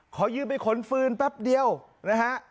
ขอยืมไปขนฟืนแป๊บเดียวนะฮะ